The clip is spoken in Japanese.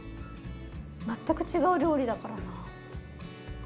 全く違う料理だからな。